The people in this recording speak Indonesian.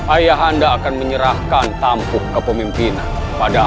ayah anda akan menyerahkan tampuh kepemimpinan pada aku